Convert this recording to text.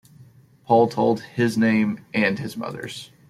Paul told his name and his mother’s.